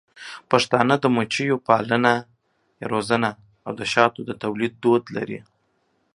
پښتانه د مچیو پالنه او د شاتو د تولید دود لري.